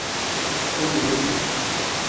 Ҡул менән бит